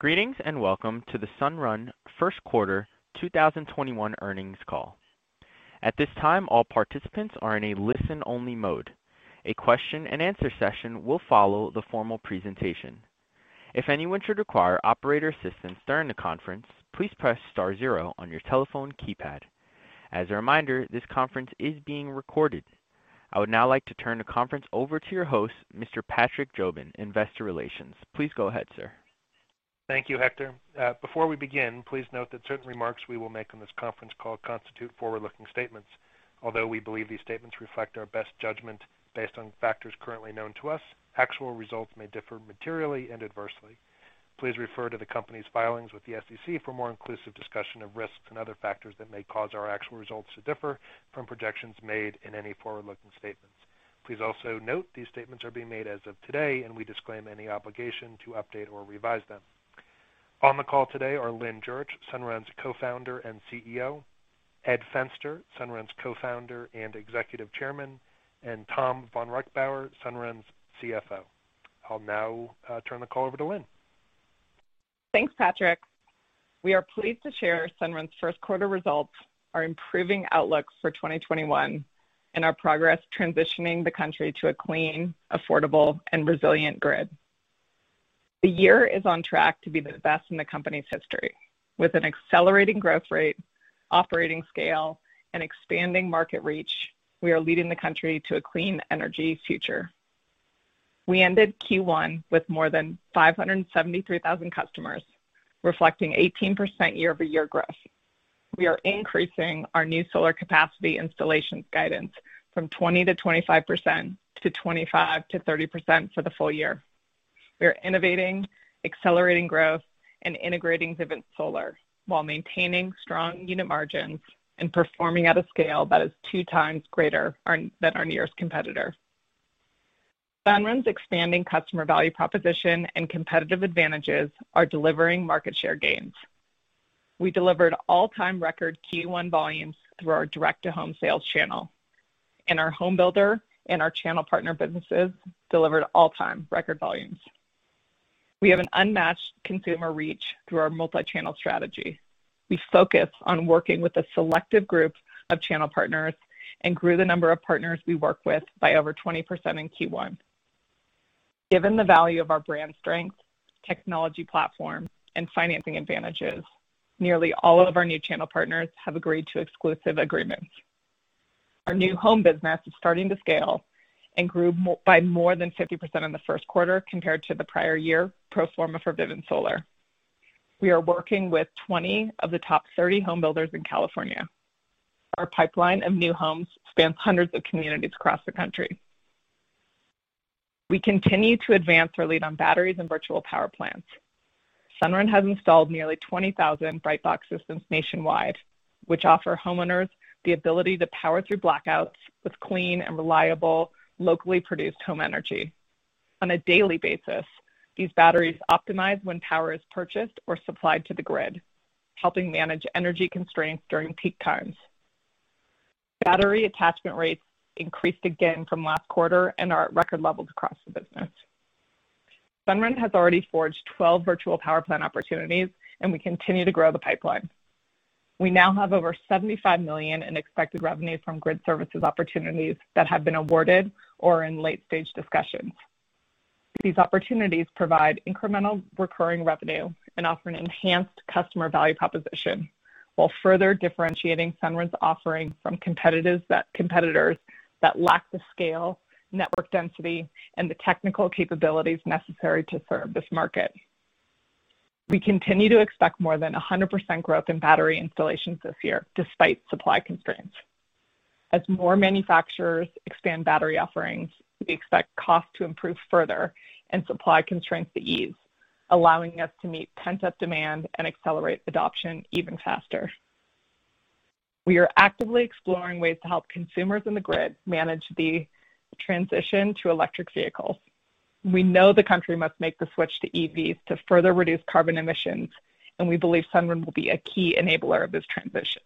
Greetings and welcome to the Sunrun first quarter 2021 earnings call. At this time, all participants are in a listen-only mode. A question and answer session will follow the formal presentation. If anyone should require operator assistance during the conference, please press star zero on your telephone keypad. As a reminder, this conference is being recorded. I would now like to turn the conference over to your host, Mr. Patrick Jobin, Investor Relations. Please go ahead, sir. Thank you, Hector. Before we begin, please note that certain remarks we will make on this conference call constitute forward-looking statements. Although we believe these statements reflect our best judgment based on factors currently known to us, actual results may differ materially and adversely. Please refer to the company's filings with the SEC for more inclusive discussion of risks and other factors that may cause our actual results to differ from projections made in any forward-looking statements. Please also note these statements are being made as of today, and we disclaim any obligation to update or revise them. On the call today are Lynn Jurich, Sunrun's Co-Founder and CEO, Ed Fenster, Sunrun's Co-Founder and Executive Chairman, and Tom vonReichbauer, Sunrun's CFO. I'll now turn the call over to Lynn. Thanks, Patrick. We are pleased to share Sunrun's first quarter results, our improving outlook for 2021, and our progress transitioning the country to a clean, affordable, and resilient grid. The year is on track to be the best in the company's history. With an accelerating growth rate, operating scale, and expanding market reach, we are leading the country to a clean energy future. We ended Q1 with more than 573,000 customers, reflecting 18% year-over-year growth. We are increasing our new solar capacity installations guidance from 20%-25% to 25%-30% for the full year. We are innovating, accelerating growth, and integrating Vivint Solar while maintaining strong unit margins and performing at a scale that is two times greater than our nearest competitor. Sunrun's expanding customer value proposition and competitive advantages are delivering market share gains. We delivered all-time record Q1 volumes through our direct-to-home sales channel, and our home builder and our channel partner businesses delivered all-time record volumes. We have an unmatched consumer reach through our multi-channel strategy. We focus on working with a selective group of channel partners and grew the number of partners we work with by over 20% in Q1. Given the value of our brand strength, technology platform, and financing advantages, nearly all of our new channel partners have agreed to exclusive agreements. Our new home business is starting to scale and grew by more than 50% in the first quarter compared to the prior year pro forma for Vivint Solar. We are working with 20 of the top 30 home builders in California. Our pipeline of new homes spans hundreds of communities across the country. We continue to advance our lead on batteries and virtual power plants. Sunrun has installed nearly 20,000 Brightbox systems nationwide, which offer homeowners the ability to power through blackouts with clean and reliable, locally produced home energy. On a daily basis, these batteries optimize when power is purchased or supplied to the grid, helping manage energy constraints during peak times. Battery attachment rates increased again from last quarter and are at record levels across the business. Sunrun has already forged 12 virtual power plant opportunities, and we continue to grow the pipeline. We now have over $75 million in expected revenue from grid services opportunities that have been awarded or are in late-stage discussions. These opportunities provide incremental recurring revenue and offer an enhanced customer value proposition while further differentiating Sunrun's offering from competitors that lack the scale, network density, and the technical capabilities necessary to serve this market. We continue to expect more than 100% growth in battery installations this year, despite supply constraints. As more manufacturers expand battery offerings, we expect cost to improve further and supply constraints to ease, allowing us to meet pent-up demand and accelerate adoption even faster. We are actively exploring ways to help consumers in the grid manage the transition to electric vehicle. We know the country must make the switch to EVs to further reduce carbon emissions. We believe Sunrun will be a key enabler of this transition.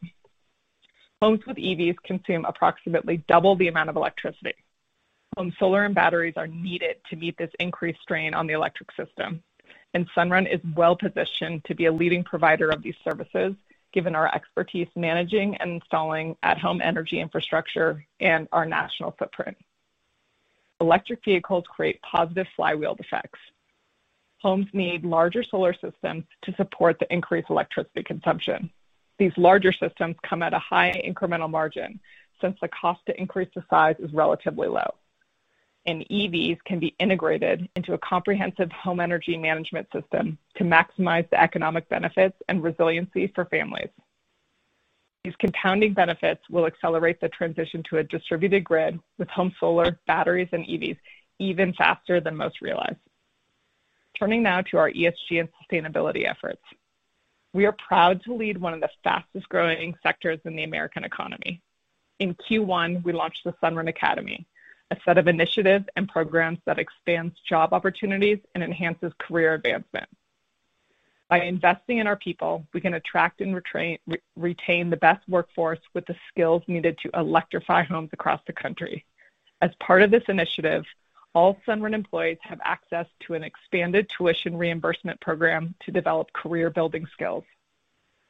Homes with EVs consume approximately double the amount of electricity. Home solar and batteries are needed to meet this increased strain on the electric system. Sunrun is well positioned to be a leading provider of these services, given our expertise managing and installing at-home energy infrastructure and our national footprint. Electric vehicles create positive flywheel effects. Homes need larger solar systems to support the increased electricity consumption. These larger systems come at a high incremental margin since the cost to increase the size is relatively low, and EVs can be integrated into a comprehensive home energy management system to maximize the economic benefits and resiliency for families. These compounding benefits will accelerate the transition to a distributed grid with home solar, batteries, and EVs even faster than most realize. Turning now to our ESG and sustainability efforts. We are proud to lead one of the fastest growing sectors in the American economy. In Q1, we launched the Sunrun Academy, a set of initiatives and programs that expands job opportunities and enhances career advancement. By investing in our people, we can attract and retain the best workforce with the skills needed to electrify homes across the country. As part of this initiative, all Sunrun employees have access to an expanded tuition reimbursement program to develop career-building skills.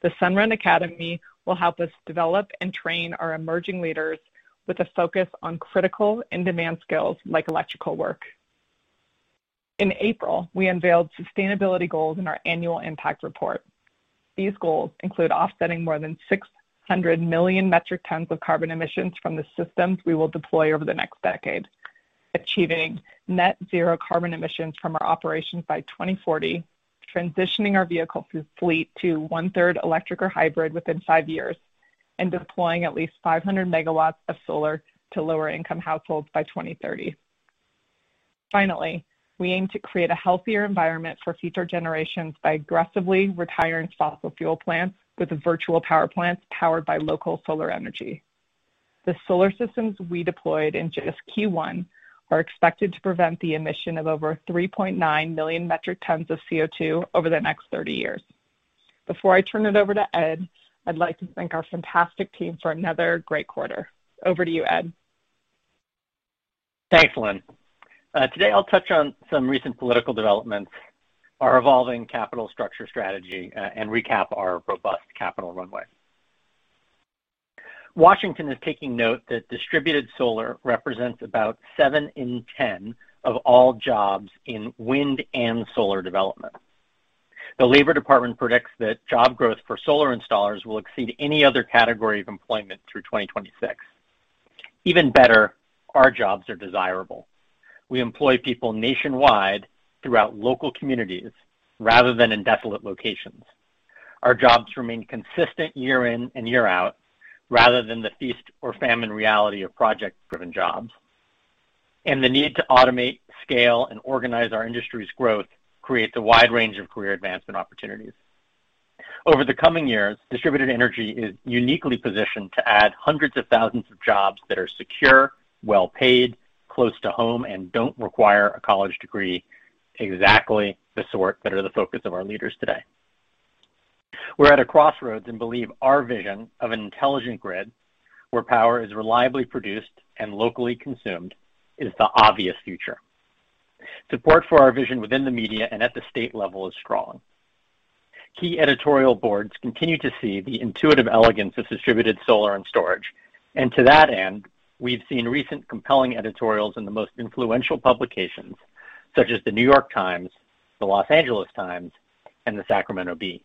The Sunrun Academy will help us develop and train our emerging leaders with a focus on critical in-demand skills like electrical work. In April, we unveiled sustainability goals in our Annual Impact Report. These goals include offsetting more than 600 million metric tons of carbon emissions from the systems we will deploy over the next decade, achieving net zero carbon emissions from our operations by 2040, transitioning our vehicle fleet to one-third electric or hybrid within five years, and deploying at least 500 MW of solar to lower-income households by 2030. Finally, we aim to create a healthier environment for future generations by aggressively retiring fossil fuel plants with virtual power plants powered by local solar energy. The solar systems we deployed in just Q1 are expected to prevent the emission of over 3.9 million metric tons of CO2 over the next 30 years. Before I turn it over to Ed, I'd like to thank our fantastic team for another great quarter. Over to you, Ed. Thanks, Lynn. Today I'll touch on some recent political developments, our evolving capital structure strategy, and recap our robust capital runway. Washington is taking note that distributed solar represents about seven in 10 of all jobs in wind and solar development. The labor department predicts that job growth for solar installers will exceed any other category of employment through 2026. Even better, our jobs are desirable. We employ people nationwide throughout local communities rather than in desolate locations. Our jobs remain consistent year in and year out, rather than the feast or famine reality of project-driven jobs. The need to automate, scale, and organize our industry's growth creates a wide range of career advancement opportunities. Over the coming years, distributed energy is uniquely positioned to add hundreds of thousands of jobs that are secure, well-paid, close to home, and don't require a college degree, exactly the sort that are the focus of our leaders today. We're at a crossroads and believe our vision of an intelligent grid where power is reliably produced and locally consumed is the obvious future. Support for our vision within the media and at the state level is strong. Key editorial boards continue to see the intuitive elegance of distributed solar and storage. To that end, we've seen recent compelling editorials in the most influential publications such as The New York Times, The Los Angeles Times, and The Sacramento Bee.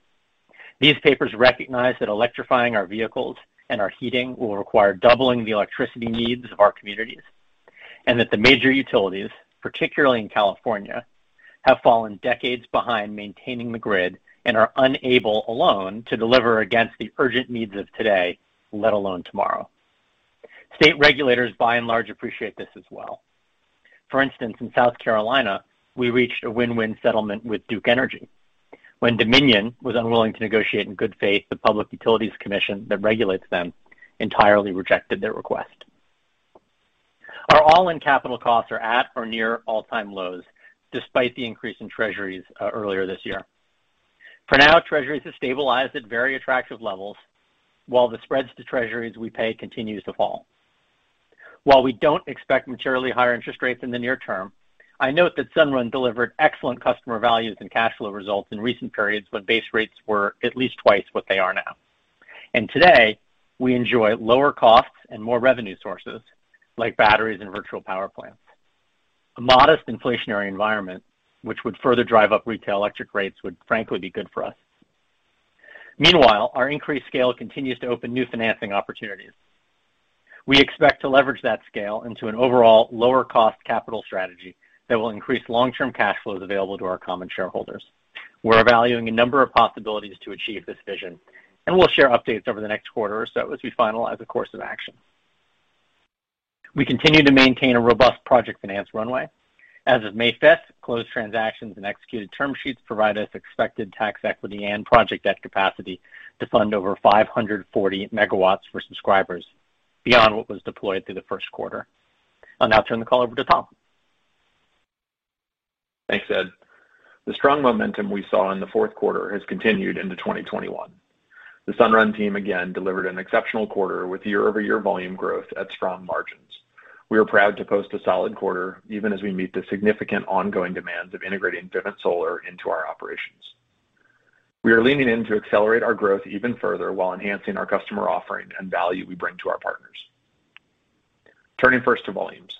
These papers recognize that electrifying our vehicles and our heating will require doubling the electricity needs of our communities, and that the major utilities, particularly in California, have fallen decades behind maintaining the grid and are unable alone to deliver against the urgent needs of today, let alone tomorrow. State regulators by and large appreciate this as well. For instance, in South Carolina, we reached a win-win settlement with Duke Energy. When Dominion was unwilling to negotiate in good faith, the Public Utilities Commission that regulates them entirely rejected their request. Our all-in capital costs are at or near all-time lows, despite the increase in Treasuries earlier this year. For now, Treasuries have stabilized at very attractive levels, while the spreads to Treasuries we pay continues to fall. While we don't expect materially higher interest rates in the near term, I note that Sunrun delivered excellent customer values and cash flow results in recent periods when base rates were at least twice what they are now. Today, we enjoy lower costs and more revenue sources like batteries and virtual power plants. A modest inflationary environment, which would further drive up retail electric rates, would frankly be good for us. Meanwhile, our increased scale continues to open new financing opportunities. We expect to leverage that scale into an overall lower cost capital strategy that will increase long-term cash flows available to our common shareholders. We're evaluating a number of possibilities to achieve this vision, and we'll share updates over the next quarter or so as we finalize a course of action. We continue to maintain a robust project finance runway. As of May 5th, closed transactions and executed term sheets provide us expected tax equity and project debt capacity to fund over 540 MW for subscribers beyond what was deployed through the first quarter. I'll now turn the call over to Tom. Thanks, Ed. The strong momentum we saw in the fourth quarter has continued into 2021. The Sunrun team again delivered an exceptional quarter with year-over-year volume growth at strong margins. We are proud to post a solid quarter, even as we meet the significant ongoing demands of integrating Vivint Solar into our operations. We are leaning in to accelerate our growth even further while enhancing our customer offering and value we bring to our partners. Turning first to volumes.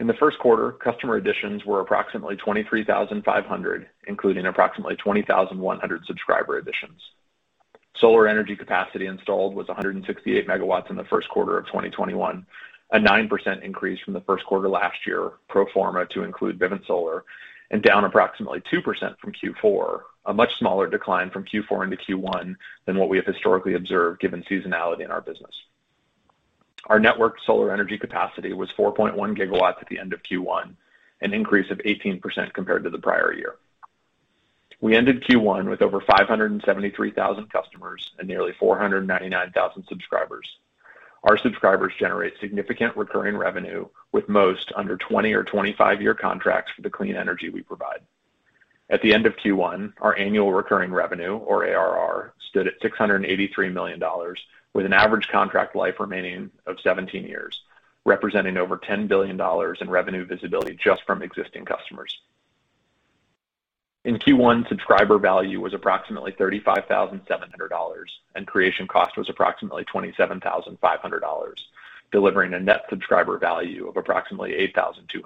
In the first quarter, customer additions were approximately 23,500, including approximately 20,100 subscriber additions. Solar energy capacity installed was 168 megawatts in the first quarter of 2021, a 9% increase from the first quarter last year pro forma to include Vivint Solar, and down approximately 2% from Q4, a much smaller decline from Q4 into Q1 than what we have historically observed given seasonality in our business. Our network solar energy capacity was 4.1 GW at the end of Q1, an increase of 18% compared to the prior year. We ended Q1 with over 573,000 customers and nearly 499,000 subscribers. Our subscribers generate significant recurring revenue with most under 20 or 25-year contracts for the clean energy we provide. At the end of Q1, our annual recurring revenue, or ARR, stood at $683 million, with an average contract life remaining of 17 years, representing over $10 billion in revenue visibility just from existing customers. In Q1, subscriber value was approximately $35,700, and creation cost was approximately $27,500, delivering a net subscriber value of approximately $8,200.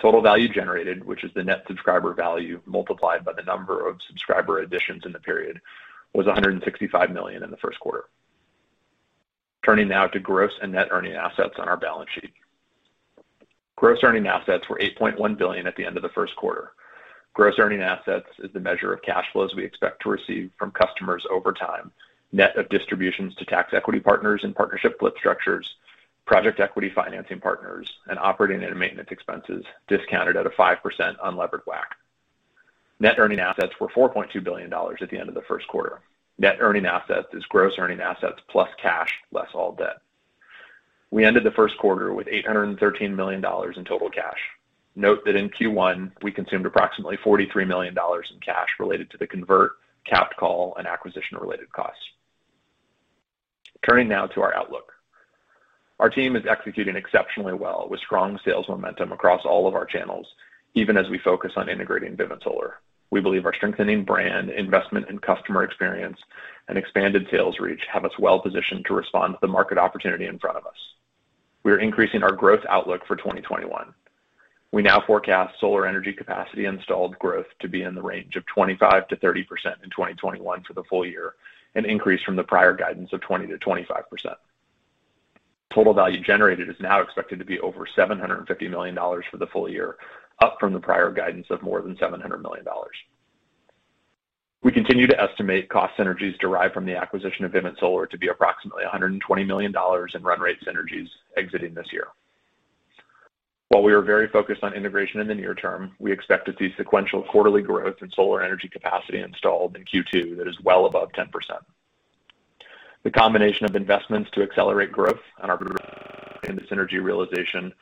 Total value generated, which is the net subscriber value multiplied by the number of subscriber additions in the period, was $165 million in the first quarter. Turning now to gross and net earning assets on our balance sheet. Gross earning assets were $8.1 billion at the end of the first quarter. Gross earning assets is the measure of cash flows we expect to receive from customers over time. Net of distributions to tax equity partners and partnership flip structures, project equity financing partners, and operating and maintenance expenses discounted at a 5% unlevered WACC. Net earning assets were $4.2 billion at the end of the first quarter. Net earning assets is gross earning assets plus cash, less all debt. We ended the first quarter with $813 million in total cash. Note that in Q1, we consumed approximately $43 million in cash related to the convert, capped call, and acquisition related costs. Turning now to our outlook. Our team is executing exceptionally well with strong sales momentum across all of our channels, even as we focus on integrating Vivint Solar. We believe our strengthening brand, investment in customer experience, and expanded sales reach have us well positioned to respond to the market opportunity in front of us. We are increasing our growth outlook for 2021. We now forecast solar energy capacity installed growth to be in the range of 25%-30% in 2021 for the full year, an increase from the prior guidance of 20%-25%. Total value generated is now expected to be over $750 million for the full year, up from the prior guidance of more than $700 million. We continue to estimate cost synergies derived from the acquisition of Vivint Solar to be approximately $120 million in run rate synergies exiting this year. While we are very focused on integration in the near term, we expect to see sequential quarterly growth in solar energy capacity installed in Q2 that is well above 10%. The combination of investments to accelerate growth and synergy realization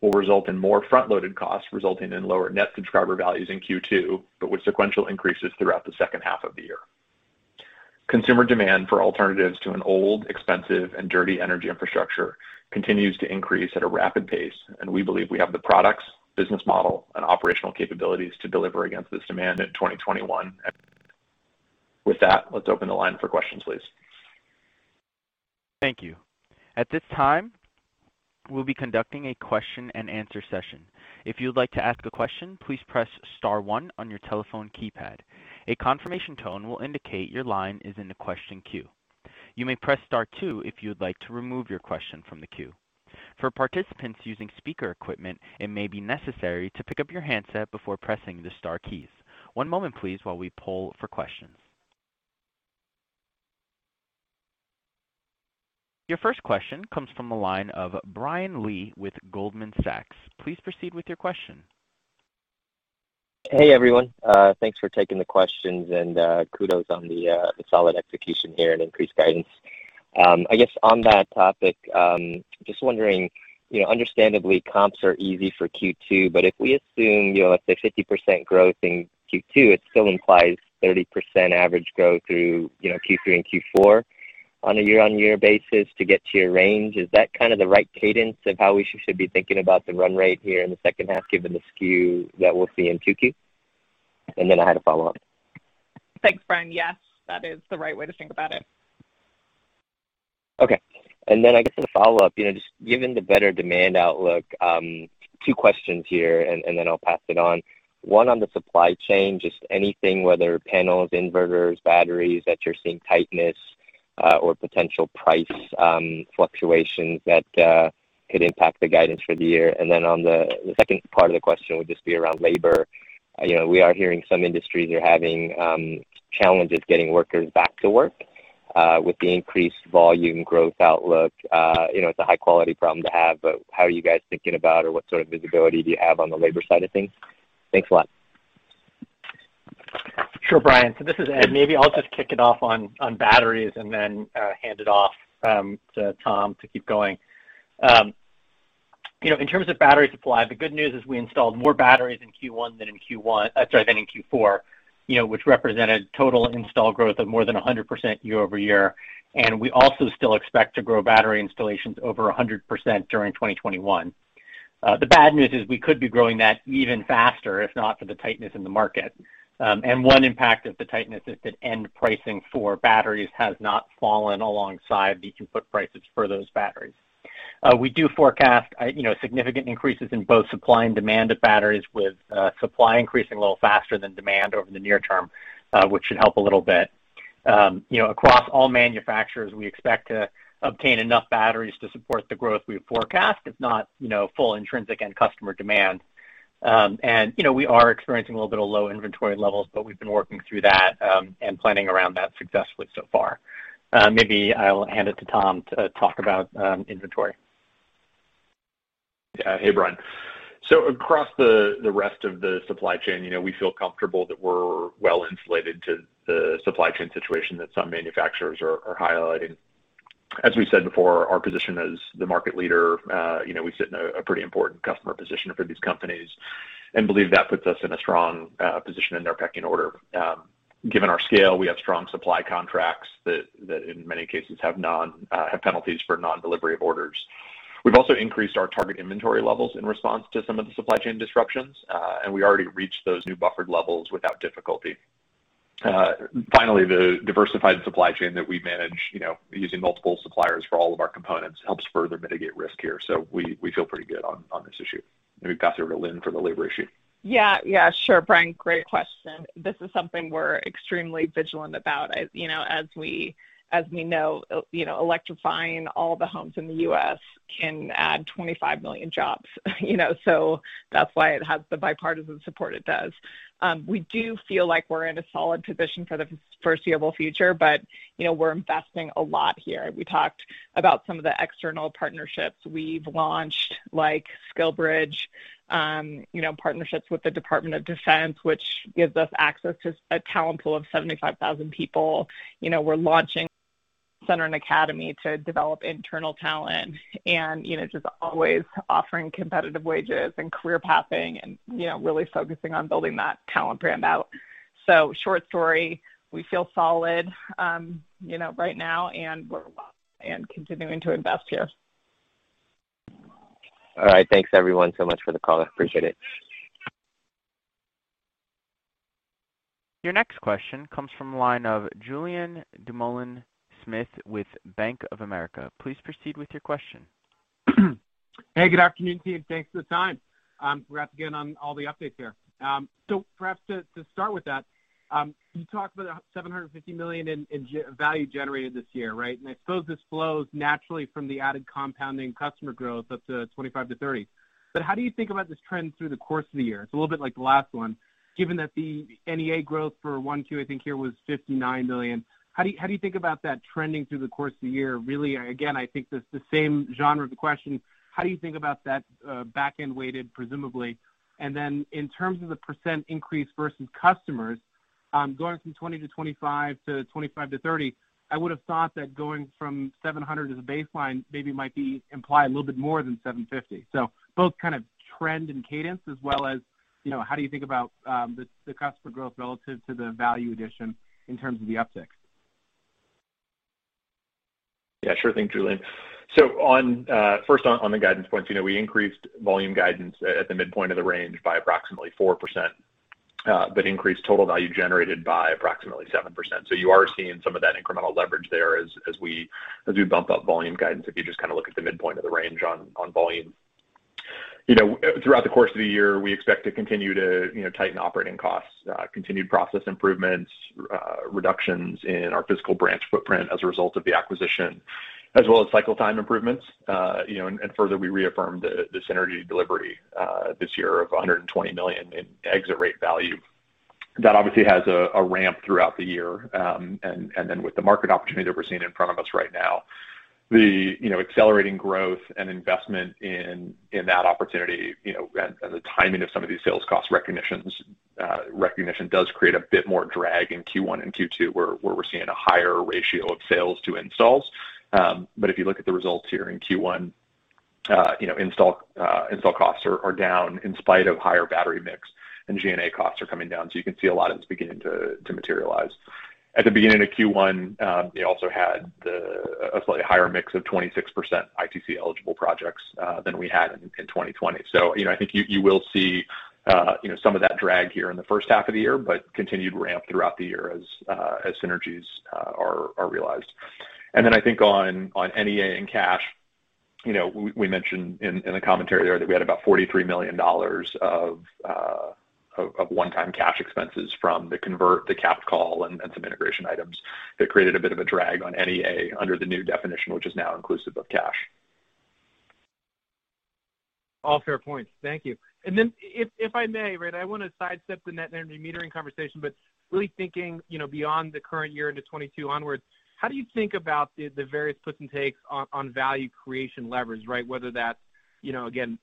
will result in more front-loaded costs, resulting in lower net subscriber values in Q2, but with sequential increases throughout the second half of the year. Consumer demand for alternatives to an old, expensive, and dirty energy infrastructure continues to increase at a rapid pace, we believe we have the products, business model, and operational capabilities to deliver against this demand in 2021. With that, let's open the line for questions, please. Thank you. At this time, we'll be conducting a question and answer session. If you would like to ask the question, please press star one on your telephone keypad. A confirmation tone will indicate your line is in the question queue. You may press star two if you would like to remove your question from the queue. For participants using speaker equipment, it maybe necessary to pick up your handset before pressing the star key. One moment please while we poll for question. Your first question comes from the line of Brian Lee with Goldman Sachs. Please proceed with your question. Hey, everyone. Thanks for taking the questions and kudos on the solid execution here and increased guidance. I guess on that topic, just wondering, understandably comps are easy for Q2, but if we assume, let's say 50% growth in Q2, it still implies 30% average growth through Q3 and Q4 on a year-on-year basis to get to your range. Is that kind of the right cadence of how we should be thinking about the run rate here in the second half given the skew that we'll see in 2Q? I had a follow-up. Thanks, Brian. Yes, that is the right way to think about it. Okay. Then I guess as a follow-up, just given the better demand outlook, two questions here and then I'll pass it on. One on the supply chain, just anything, whether panels, inverters, batteries, that you're seeing tightness or potential price fluctuations that could impact the guidance for the year. Then on the second part of the question would just be around labor. We are hearing some industries are having challenges getting workers back to work with the increased volume growth outlook. It's a high-quality problem to have, but how are you guys thinking about, or what sort of visibility do you have on the labor side of things? Thanks a lot. Sure, Brian. This is Ed. Maybe I'll just kick it off on batteries and then hand it off to Tom to keep going. In terms of battery supply, the good news is we installed more batteries in Q1 than in Q4, which represented total install growth of more than 100% year-over-year. We also still expect to grow battery installations over 100% during 2021. The bad news is we could be growing that even faster if not for the tightness in the market. One impact of the tightness is that end pricing for batteries has not fallen alongside the input prices for those batteries. We do forecast significant increases in both supply and demand of batteries with supply increasing a little faster than demand over the near term, which should help a little bit. Across all manufacturers, we expect to obtain enough batteries to support the growth we forecast. It's not full intrinsic end customer demand. We are experiencing a little bit of low inventory levels, but we've been working through that and planning around that successfully so far. Maybe I'll hand it to Tom to talk about inventory Yeah. Hey, Brian. Across the rest of the supply chain, we feel comfortable that we're well-insulated to the supply chain situation that some manufacturers are highlighting. As we said before, our position as the market leader, we sit in a pretty important customer position for these companies and believe that puts us in a strong position in their pecking order. Given our scale, we have strong supply contracts that in many cases have penalties for non-delivery of orders. We've also increased our target inventory levels in response to some of the supply chain disruptions. We already reached those new buffered levels without difficulty. Finally, the diversified supply chain that we manage, using multiple suppliers for all of our components, helps further mitigate risk here. We feel pretty good on this issue. Maybe pass it over to Lynn for the labor issue. Sure, Brian. Great question. This is something we're extremely vigilant about. As we know, electrifying all the homes in the U.S. can add 25 million jobs. That's why it has the bipartisan support it does. We do feel like we're in a solid position for the foreseeable future, but we're investing a lot here. We talked about some of the external partnerships we've launched, like SkillBridge, partnerships with the Department of Defense, which gives us access to a talent pool of 75,000 people. We're launching Sunrun Academy to develop internal talent and just always offering competitive wages and career pathing and really focusing on building that talent brand out. Short story, we feel solid right now, and we're continuing to invest here. All right. Thanks everyone so much for the call. Appreciate it. Your next question comes from the line of Julien Dumoulin-Smith with Bank of America. Please proceed with your question. Hey, good afternoon, team. Thanks for the time. Congrats again on all the updates here. Perhaps to start with that, you talked about $750 million in value generated this year. Right? I suppose this flows naturally from the added compounding customer growth up to 25-30. How do you think about this trend through the course of the year? It's a little bit like the last one, given that the NEA growth for 1Q, I think here was $59 million. How do you think about that trending through the course of the year? Really, again, I think this the same genre of the question. How do you think about that backend weighted, presumably? In terms of the percent increase versus customers, going from 20 to 25 to 25 to 30, I would've thought that going from 700 as a baseline maybe might imply a little bit more than 750. Both kind of trend and cadence as well as how do you think about the customer growth relative to the value addition in terms of the uptick? Yeah, sure thing, Julien. First on the guidance points, we increased volume guidance at the midpoint of the range by approximately 4%, increased total value generated by approximately 7%. You are seeing some of that incremental leverage there as we bump up volume guidance. If you just kind of look at the midpoint of the range on volume. Throughout the course of the year, we expect to continue to tighten operating costs, continued process improvements, reductions in our physical branch footprint as a result of the acquisition, as well as cycle time improvements. Further, we reaffirmed the synergy delivery this year of $120 million in exit rate value. That obviously has a ramp throughout the year. With the market opportunity that we're seeing in front of us right now, the accelerating growth and investment in that opportunity and the timing of some of these sales cost recognition does create a bit more drag in Q1 and Q2 where we're seeing a higher ratio of sales to installs. If you look at the results here in Q1, install costs are down in spite of higher battery mix and G&A costs are coming down. You can see a lot of this beginning to materialize. At the beginning of Q1, they also had a slightly higher mix of 26% ITC eligible projects than we had in 2020. I think you will see some of that drag here in the first half of the year, but continued ramp throughout the year as synergies are realized. Then I think on NEA and cash, we mentioned in the commentary there that we had about $43 million of one-time cash expenses from the convert, the capped call, and some integration items that created a bit of a drag on NEA under the new definition, which is now inclusive of cash. All fair points. Thank you. Then if I may, right? I want to sidestep the net energy metering conversation, but really thinking beyond the current year into 2022 onwards, how do you think about the various puts and takes on value creation leverage, right? Whether that's, again,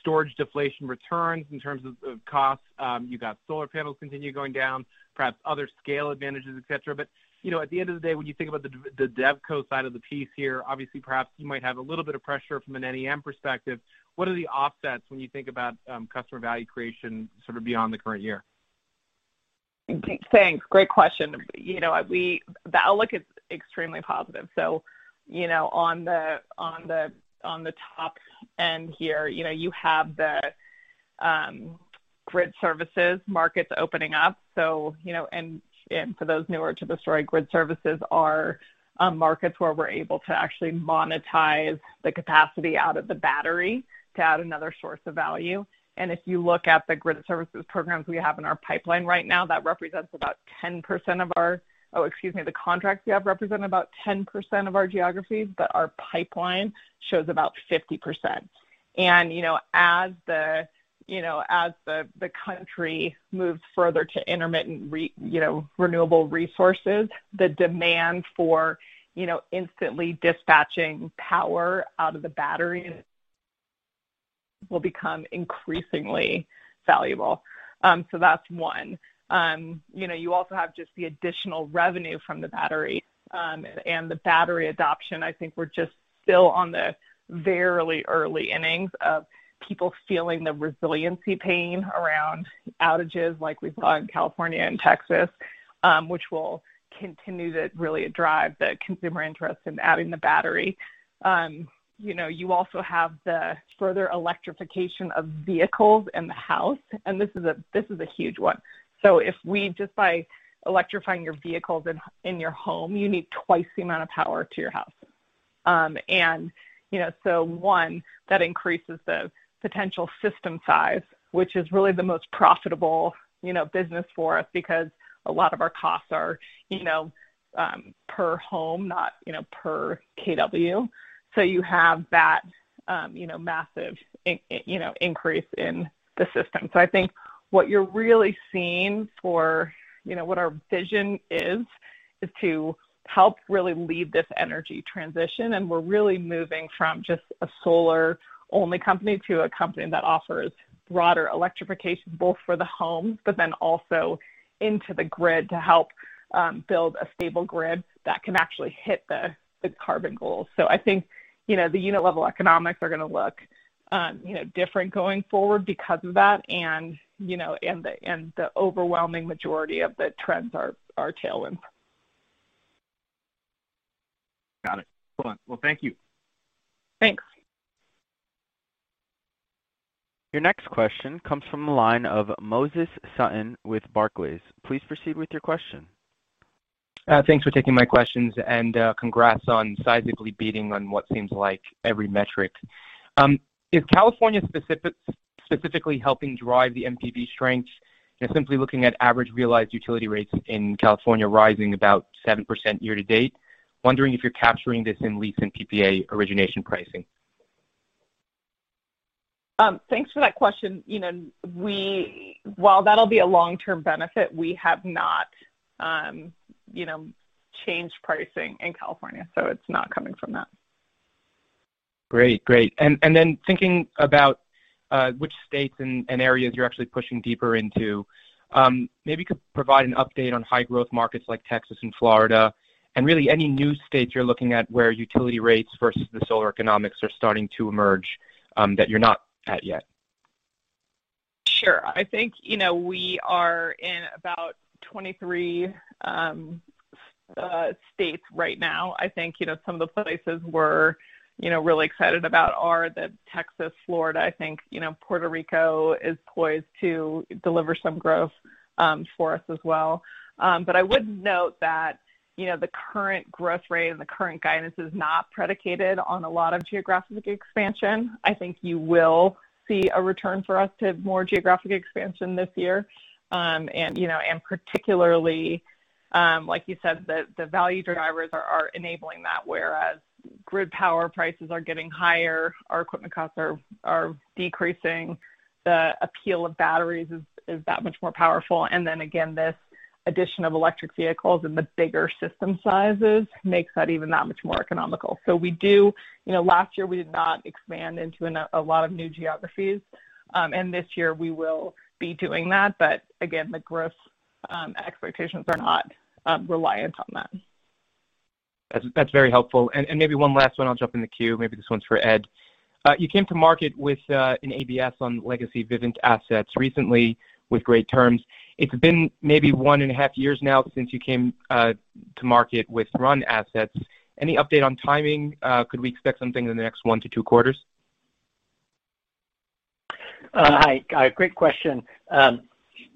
storage deflation returns in terms of costs. You got solar panels continue going down, perhaps other scale advantages, et cetera. At the end of the day, when you think about the DevCod side of the piece here, obviously, perhaps you might have a little bit of pressure from an NEM perspective. What are the offsets when you think about customer value creation sort of beyond the current year? Thanks. Great question. The outlook is extremely positive. On the top end here, you have the grid services markets opening up. For those newer to the story, grid services are markets where we're able to actually monetize the capacity out of the battery to add another source of value. If you look at the grid services programs we have in our pipeline right now, the contracts we have represent about 10% of our geographies, but our pipeline shows about 50%. You know, as the country moves further to intermittent renewable resources, the demand for instantly dispatching power out of the battery will become increasingly valuable. That's one. You also have just the additional revenue from the battery. The battery adoption, I think we're just still on the very early innings of people feeling the resiliency pain around outages, like we saw in California and Texas, which will continue to really drive the consumer interest in adding the battery. You also have the further electrification of vehicles and the house, and this is a huge one. Just by electrifying your vehicles in your home, you need twice the amount of power to your house. One, that increases the potential system size, which is really the most profitable business for us because a lot of our costs are per home, not per kW. You have that massive increase in the system. I think what you're really seeing for what our vision is to help really lead this energy transition, and we're really moving from just a solar-only company to a company that offers broader electrification both for the home, but then also into the grid to help build a stable grid that can actually hit the carbon goals. I think the unit level economics are going to look different going forward because of that, and the overwhelming majority of the trends are tailwinds. Got it. Hold on. Well, thank you. Thanks. Your next question comes from the line of Moses Sutton with Barclays. Please proceed with your question. Thanks for taking my questions, and congrats on seismically beating on what seems like every metric. Is California specifically helping drive the NPV strength? Simply looking at average realized utility rates in California rising about 7% year to date, I am wondering if you're capturing this in lease and PPA origination pricing. Thanks for that question. While that'll be a long-term benefit, we have not changed pricing in California, so it's not coming from that. Great. Thinking about which states and areas you're actually pushing deeper into, maybe you could provide an update on high growth markets like Texas and Florida and really any new states you're looking at where utility rates versus the solar economics are starting to emerge that you're not at yet. Sure. I think we are in about 23 states right now. I think some of the places we're really excited about are Texas, Florida. I think Puerto Rico is poised to deliver some growth for us as well. I would note that the current growth rate and the current guidance is not predicated on a lot of geographic expansion. I think you will see a return for us to more geographic expansion this year. Particularly, like you said, the value drivers are enabling that where as grid power prices are getting higher, our equipment costs are decreasing. The appeal of batteries is that much more powerful. Again, this addition of electric vehicles and the bigger system sizes makes that even that much more economical. Last year, we did not expand into a lot of new geographies. This year we will be doing that, but again, the growth expectations are not reliant on that. That's very helpful. Maybe one last one. I'll jump in the queue. Maybe this one's for Ed. You came to market with an ABS on legacy Vivint assets recently with great terms. It's been maybe one and a half years now since you came to market with Sunrun assets. Any update on timing? Could we expect something in the next one to two quarters? Hi. Great question.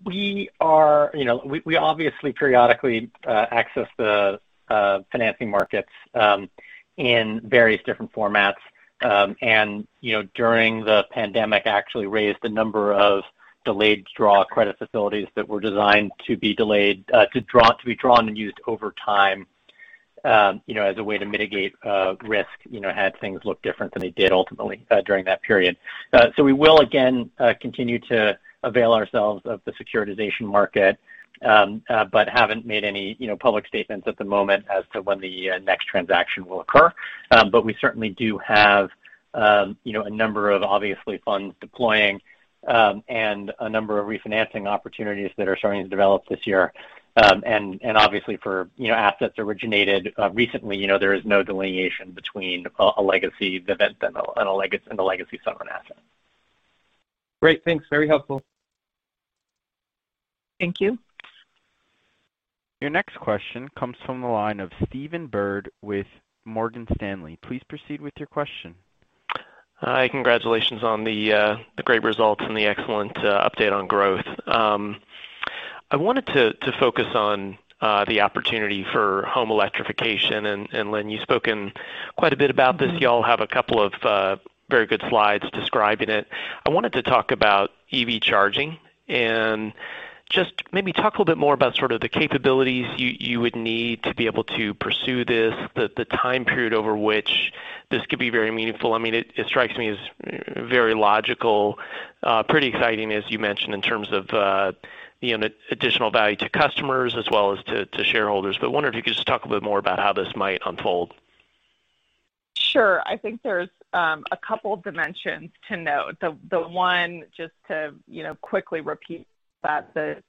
We obviously periodically access the financing markets in various different formats. During the pandemic, actually raised a number of delayed draw credit facilities that were designed to be drawn and used over time as a way to mitigate risk, had things looked different than they did ultimately during that period. We will again continue to avail ourselves of the securitization market, but haven't made any public statements at the moment as to when the next transaction will occur. We certainly do have a number of obviously funds deploying and a number of refinancing opportunities that are starting to develop this year. Obviously for assets originated recently, there is no delineation between a legacy Vivint and a legacy Sunrun asset. Great. Thanks. Very helpful. Thank you. Your next question comes from the line of Stephen Byrd with Morgan Stanley. Please proceed with your question. Hi. Congratulations on the great results and the excellent update on growth. I wanted to focus on the opportunity for home electrification. Lynn, you've spoken quite a bit about this. You all have a couple of very good slides describing it. I wanted to talk about EV charging. Just maybe talk a little bit more about the capabilities you would need to be able to pursue this, the time period over which this could be very meaningful. It strikes me as very logical, pretty exciting as you mentioned in terms of the additional value to customers as well as to shareholders. Wondered if you could just talk a bit more about how this might unfold. Sure. I think there's a couple dimensions to note. The one, just to quickly repeat that the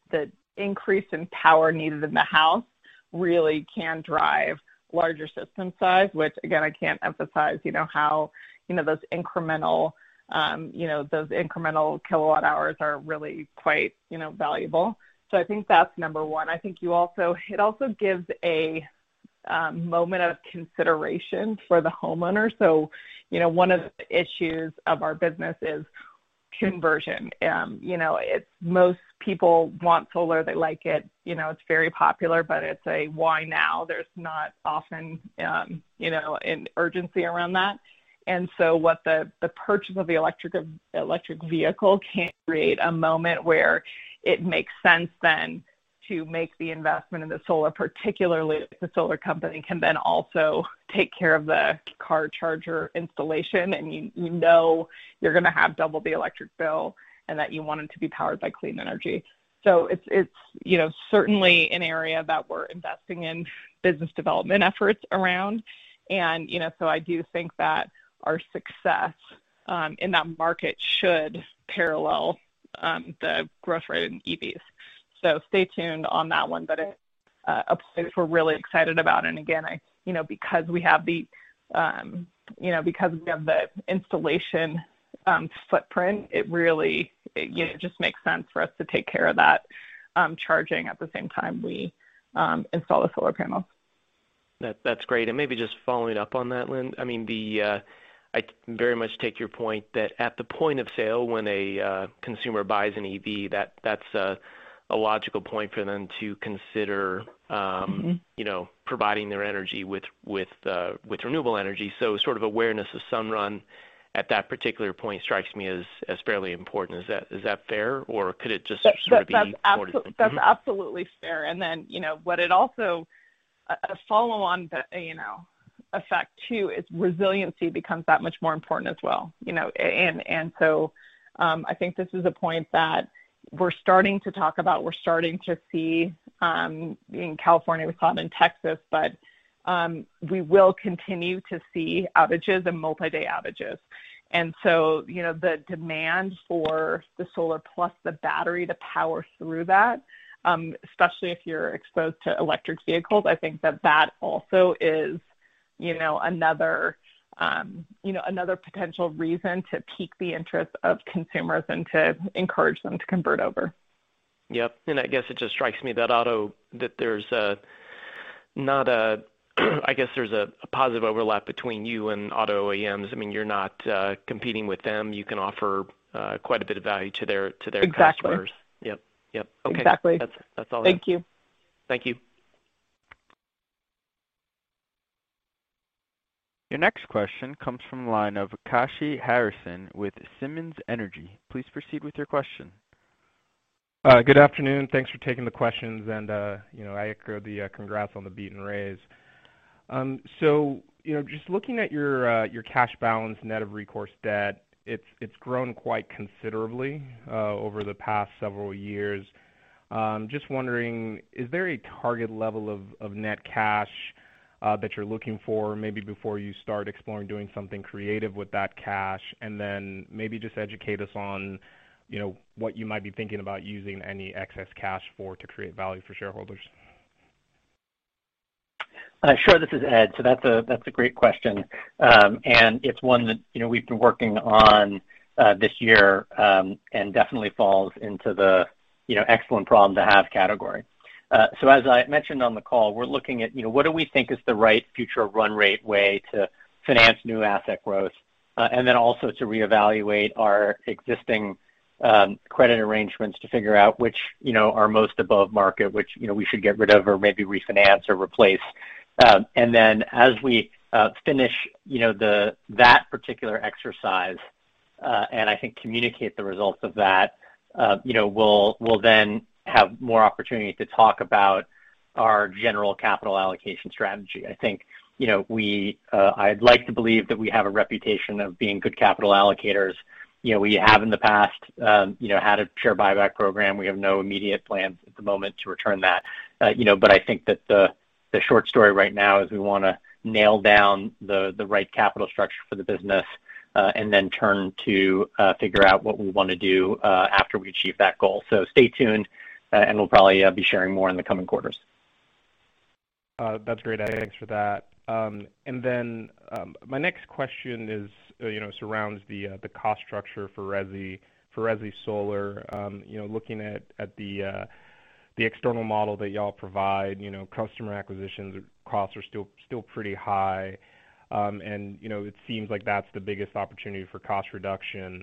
increase in power needed in the house really can drive larger system size, which again, I can't emphasize how those incremental kilowatt hours are really quite valuable. I think that's number one. I think it also gives a moment of consideration for the homeowner. One of the issues of our business is conversion. Most people want solar, they like it's very popular, but it's a why now? There's not often an urgency around that. What the purchase of the electric vehicle can create a moment where it makes sense then to make the investment in the solar, particularly if the solar company can then also take care of the car charger installation, and you know you're going to have double the electric bill and that you want it to be powered by clean energy. It's certainly an area that we're investing in business development efforts around. I do think that our success in that market should parallel the growth rate in EVs. Stay tuned on that one, but it applies, we're really excited about. Again, because we have the installation footprint, it just makes sense for us to take care of that charging at the same time we install the solar panels. That's great. Maybe just following up on that, Lynn, I very much take your point that at the point of sale, when a consumer buys an EV, that's a logical point for them to consider providing their energy with renewable energy. Sort of awareness of Sunrun at that particular point strikes me as fairly important. Is that fair? That's absolutely fair. What it also, a follow-on effect too, is resiliency becomes that much more important as well. I think this is a point that we're starting to talk about, we're starting to see in California, we saw it in Texas, but we will continue to see outages and multi-day outages. The demand for the solar plus the battery to power through that, especially if you're exposed to electric vehicles, I think that that also is another potential reason to pique the interest of consumers and to encourage them to convert over. Yep. I guess it just strikes me that there's a positive overlap between you and auto OEMs. You're not competing with them. You can offer quite a bit of value to their customers. Exactly. Yep. Okay. Exactly. That's all then. Thank you. Thank you. Your next question comes from the line of Kashy Harrison with Simmons Energy. Please proceed with your question. Good afternoon. Thanks for taking the questions and I echo the congrats on the beat and raise. Just looking at your cash balance net of recourse debt, it's grown quite considerably over the past several years. Just wondering, is there a target level of net cash that you're looking for maybe before you start exploring doing something creative with that cash? Maybe just educate us on what you might be thinking about using any excess cash for to create value for shareholders. Sure. This is Ed. That's a great question. It's one that we've been working on this year, and definitely falls into the excellent problem to have category. As I mentioned on the call, we're looking at what do we think is the right future run rate way to finance new asset growth? Then also to reevaluate our existing credit arrangements to figure out which are most above market, which we should get rid of or maybe refinance or replace. Then as we finish that particular exercise, and I think communicate the results of that, we'll then have more opportunity to talk about our general capital allocation strategy. I'd like to believe that we have a reputation of being good capital allocators. We have in the past had a share buyback program. We have no immediate plans at the moment to return that. I think that the short story right now is we want to nail down the right capital structure for the business, and then turn to figure out what we want to do after we achieve that goal. Stay tuned, and we'll probably be sharing more in the coming quarters. That's great, Ed. Thanks for that. My next question surrounds the cost structure for residential solar. Looking at the external model that y'all provide, customer acquisition costs are still pretty high. It seems like that's the biggest opportunity for cost reduction,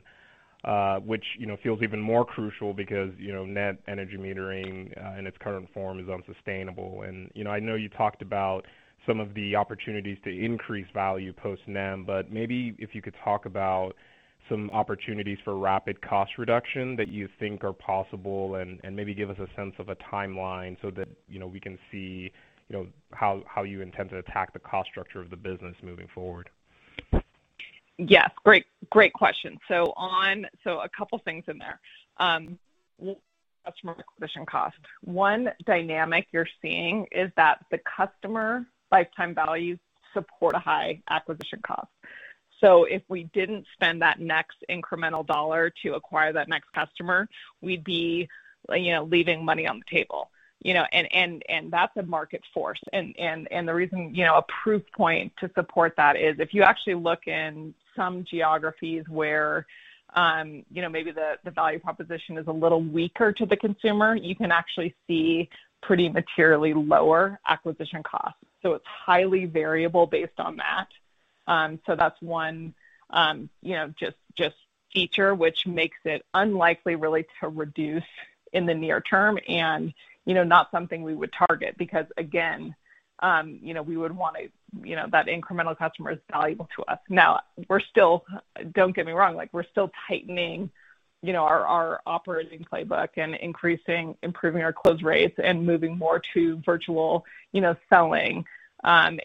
which feels even more crucial because net energy metering, in its current form is unsustainable. I know you talked about some of the opportunities to increase value post NEM, but maybe if you could talk about some opportunities for rapid cost reduction that you think are possible and maybe give us a sense of a timeline so that we can see how you intend to attack the cost structure of the business moving forward. Yes. Great question. A couple things in there. customer acquisition cost. One dynamic you're seeing is that the customer lifetime value support a high acquisition cost. If we didn't spend that next incremental dollar to acquire that next customer, we'd be leaving money on the table. That's a market force. The reason, a proof point to support that is if you actually look in some geographies where maybe the value proposition is a little weaker to the consumer, you can actually see pretty materially lower acquisition costs. It's highly variable based on that. That's one just feature which makes it unlikely really to reduce in the near term and not something we would target because, again, that incremental customer is valuable to us. Don't get me wrong, we're still tightening our operating playbook and improving our close rates and moving more to virtual selling, and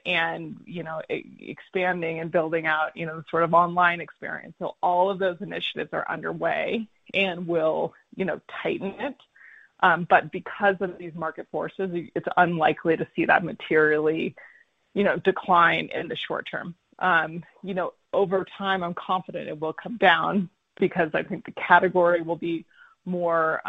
expanding and building out the sort of online experience. All of those initiatives are underway and will tighten it. Because of these market forces, it's unlikely to see that materially decline in the short term. Over time, I'm confident it will come down because I think the category will be more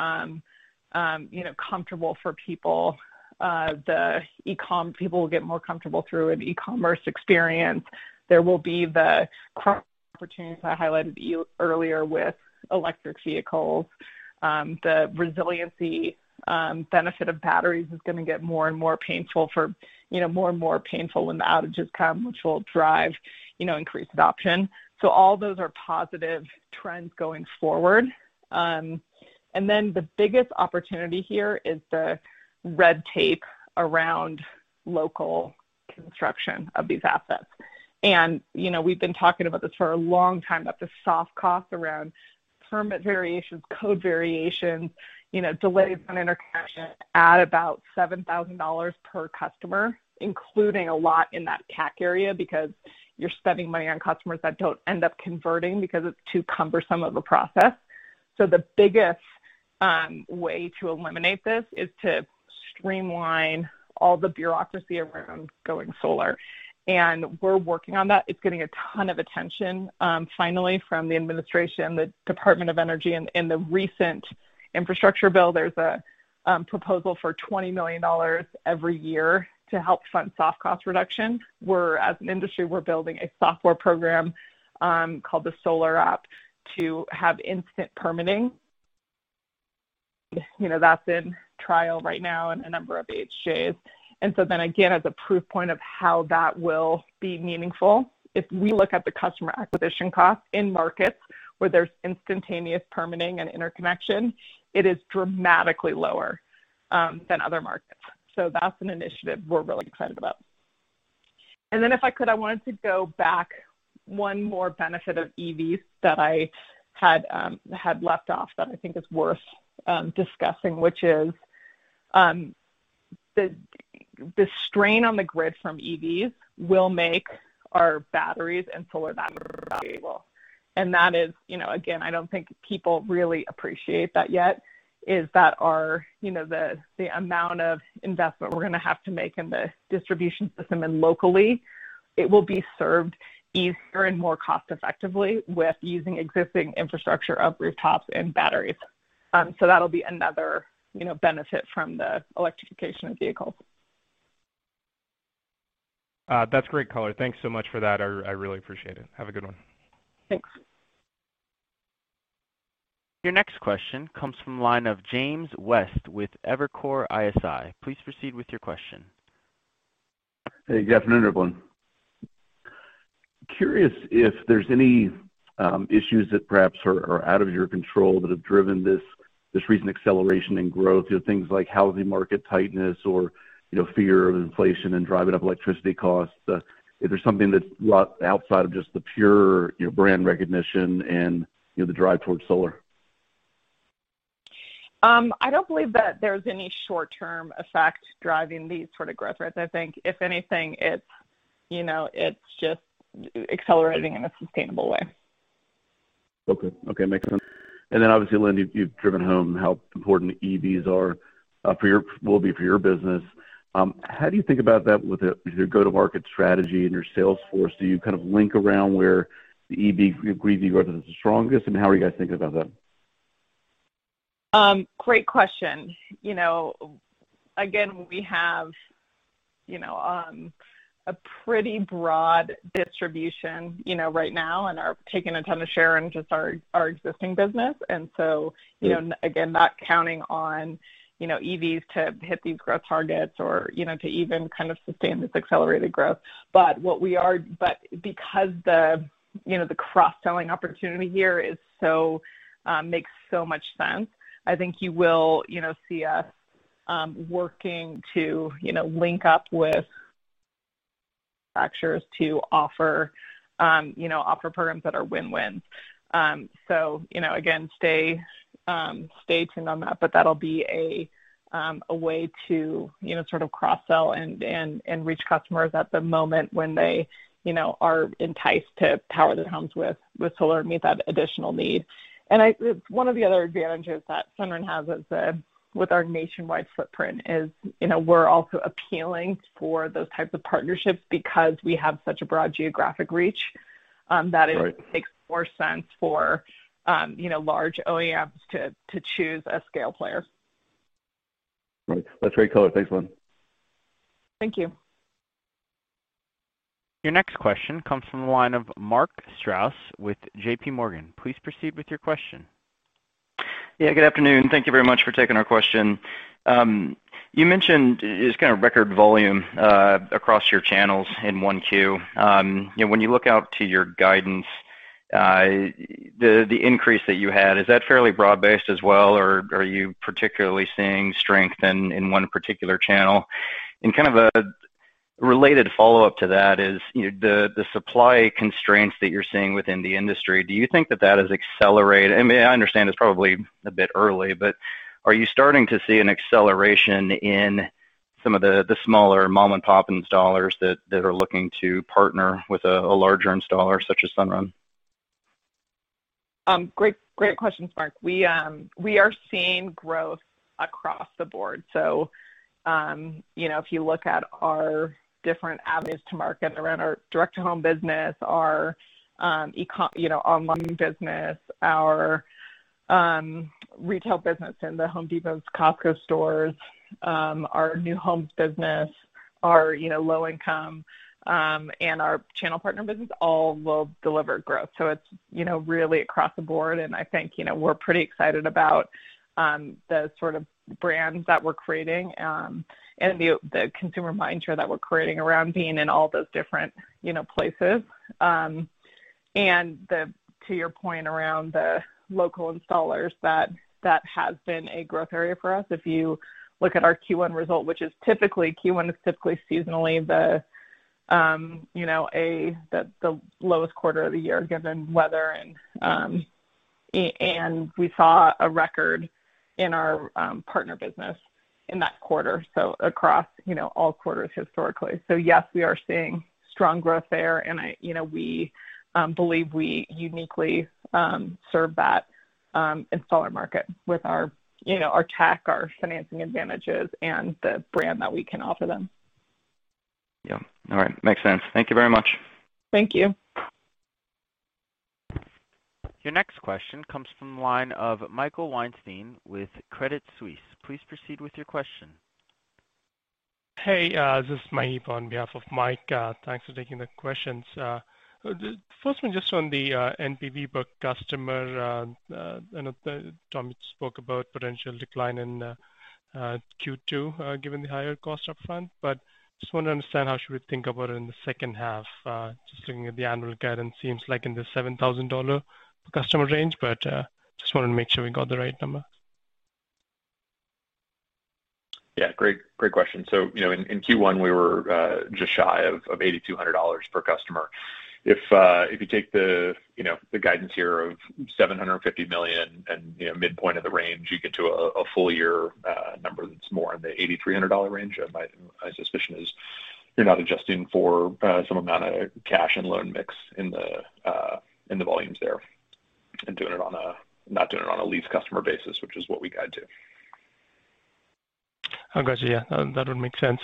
comfortable for people. The e-com people will get more comfortable through an e-commerce experience. There will be the opportunities I highlighted earlier with electric vehicles. The resiliency benefit of batteries is going to get more and more painful when the outages come, which will drive increased adoption. All those are positive trends going forward. The biggest opportunity here is the red tape around local construction of these assets. We've been talking about this for a long time, that the soft costs around permit variations, code variations, delays on interconnection, add about $7,000 per customer, including a lot in that CAC area, because you're spending money on customers that don't end up converting because it's too cumbersome of a process. The biggest way to eliminate this is to streamline all the bureaucracy around going solar. We're working on that. It's getting a ton of attention finally from the administration, the Department of Energy, and the recent infrastructure bill. There's a proposal for $20 million every year to help fund soft cost reduction, where as an industry, we're building a software program called the SolarAPP+ to have instant permitting. That's in trial right now in a number of HJs. Again, as a proof point of how that will be meaningful, if we look at the customer acquisition cost in markets where there's instantaneous permitting and interconnection, it is dramatically lower than other markets. That's an initiative we're really excited about. Then if I could, I wanted to go back one more benefit of EVs that I had left off that I think is worth discussing, which is the strain on the grid from EVs will make our batteries and solar batteries valuable. That is, again, I don't think people really appreciate that yet, is that the amount of investment we're going to have to make in the distribution system and locally, it will be served easier and more cost effectively with using existing infrastructure of rooftops and batteries. That'll be another benefit from the electrification of vehicles. That's great color. Thanks so much for that. I really appreciate it. Have a good one. Thanks. Your next question comes from the line of James West with Evercore ISI. Please proceed with your question. Hey, good afternoon, everyone. Curious if there's any issues that perhaps are out of your control that have driven this recent acceleration in growth, things like housing market tightness or fear of inflation and driving up electricity costs. Is there something that's outside of just the pure brand recognition and the drive towards solar? I don't believe that there's any short-term effect driving these sort of growth rates. I think if anything, it's just accelerating in a sustainable way. Okay. Makes sense. Then obviously, Lynn, you've driven home how important EVs will be for your business. How do you think about that with your go-to-market strategy and your sales force? Do you kind of link around where the EV gravy road is the strongest, and how are you guys thinking about that? Great question. Again, we have a pretty broad distribution right now and are taking a ton of share in just our existing business. Again, not counting on EVs to hit these growth targets or to even kind of sustain this accelerated growth. Because the cross-selling opportunity here makes so much sense, I think you will see us working to link up with manufacturers to offer programs that are win-win. Again, stay tuned on that, but that'll be a way to sort of cross-sell and reach customers at the moment when they are enticed to power their homes with solar and meet that additional need. One of the other advantages that Sunrun has with our nationwide footprint is we're also appealing for those types of partnerships because we have such a broad geographic reach. Right. That it makes more sense for large OEMs to choose a scale player. Right. That's great color. Thanks, Lynn. Thank you. Your next question comes from the line of Mark Strouse with JPMorgan. Please proceed with your question. Yeah, good afternoon. Thank you very much for taking our question. You mentioned just kind of record volume across your channels in 1Q. When you look out to your guidance, the increase that you had, is that fairly broad-based as well, or are you particularly seeing strength in one particular channel? Kind of a related follow-up to that is the supply constraints that you're seeing within the industry, do you think that that has accelerated? I mean, I understand it's probably a bit early, but are you starting to see an acceleration in some of the smaller mom-and-pop installers that are looking to partner with a larger installer such as Sunrun? Great questions, Mark. We are seeing growth across the board. If you look at our different avenues to market around our direct-to-home business, our online business, our retail business in The Home Depot, Costco stores, our new homes business, our low income, and our channel partner business all delivered growth. It's really across the board, and I think we're pretty excited about the sort of brands that we're creating, and the consumer mind share that we're creating around being in all those different places. To your point around the local installers, that has been a growth area for us. If you look at our Q1 result, which Q1 is typically seasonally the lowest quarter of the year, given weather, and we saw a record in our partner business in that quarter, across all quarters historically. Yes, we are seeing strong growth there, and we believe we uniquely serve that installer market with our tech, our financing advantages, and the brand that we can offer them. Yeah. All right. Makes sense. Thank you very much. Thank you. Your next question comes from the line of Michael Weinstein with Credit Suisse. Please proceed with your question. Hey, This is Maheep on behalf of Mike. Thanks for taking the questions. First one, just on the NPV per customer. I know that Tom spoke about potential decline in Q2 given the higher cost up front, but just want to understand how should we think about it in the second half? Just looking at the annual guidance, seems like in the $7,000 customer range, but just wanted to make sure we got the right number. Yeah, great question. In Q1, we were just shy of $8,200 per customer. If you take the guidance here of $750 million and midpoint of the range, you get to a full year number that's more in the $8,300 range. My suspicion is you're not adjusting for some amount of cash and loan mix in the volumes there, and not doing it on a lease customer basis, which is what we guide to. I got you. Yeah. That would make sense.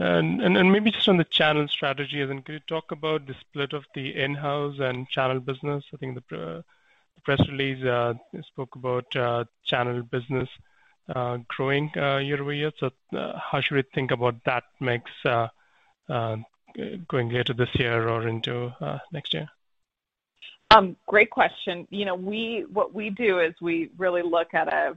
Then maybe just on the channel strategy. Can you talk about the split of the in-house and channel business? I think the press release spoke about channel business growing year-over-year. How should we think about that mix going later this year or into next year? Great question. What we do is we really look at a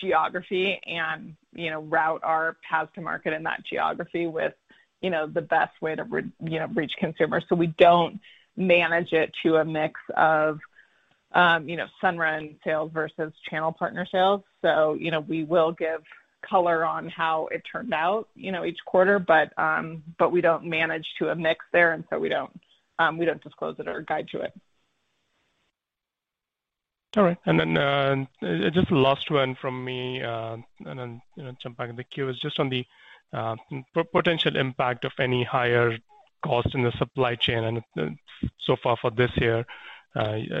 geography and route our paths to market in that geography with the best way to reach consumers. We don't manage it to a mix of Sunrun sales versus channel partner sales. We will give color on how it turned out each quarter, but we don't manage to a mix there, and so we don't disclose it or guide to it. All right. Just last one from me, then jump back in the queue, is just on the potential impact of any higher cost in the supply chain. So far for this year,